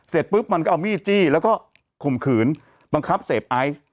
เสร็จปุ๊บมันก็เอามีดจี้แล้วก็ข่มขืนบังคับเสพไอซ์